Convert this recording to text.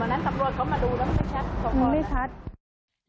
อันนี้มันไก่เกินเมื่อนั้นสำรวจเขามาดูแล้วมันไม่ชัดมันไม่ชัด